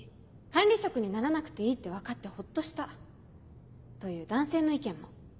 「管理職にならなくていいって分かってホッとした」という男性の意見も。